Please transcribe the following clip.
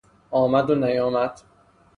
آمد و نیامد